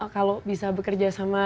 kalau bisa bekerja sama